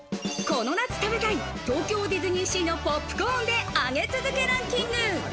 この夏食べたい東京ディズニーシーのポップコーンで上げ続けランキング。